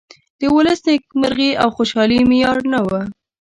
د ولس نیمکرغي او خوشالي معیار نه ؤ.